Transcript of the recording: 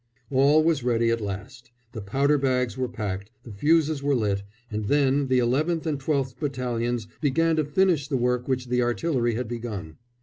All was ready at last. The powder bags were packed, the fuses were lit, and then the 11th and 12th Battalions began to finish the work which the artillery had begun.